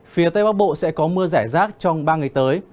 phía tây bắc bộ sẽ có mưa rải rác trong ba ngày tới